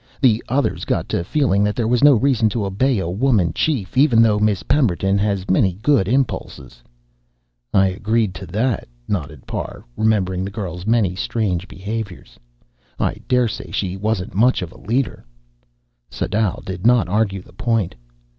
The others got to feeling that there was no reason to obey a woman chief, even though Miss Pemberton has many good impulses " "I agree to that," nodded Parr, remembering the girl's many strange behaviors. "I daresay she wasn't much of a leader." Sadau did not argue the point.